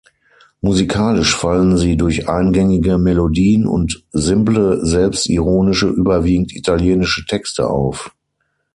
Musikalisch fallen sie durch eingängige Melodien und simple, selbstironische, überwiegend italienische Texte auf.